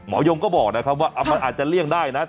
ยงก็บอกนะครับว่ามันอาจจะเลี่ยงได้นะ